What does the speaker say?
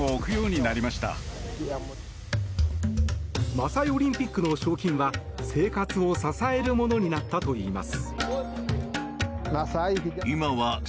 マサイ・オリンピックの賞金は生活を支えるものになったといいます。